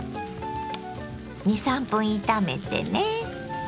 ２３分炒めてね。